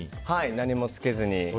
何もつけずに。